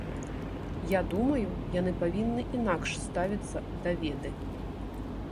Я думаю, яны павінны інакш ставіцца да веды.